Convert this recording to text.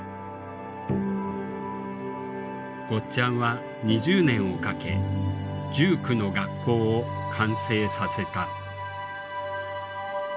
ゴッちゃんは２０年をかけ１９の学校を完成させた。